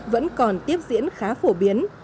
vẫn còn tiếp diễn khá phổ biến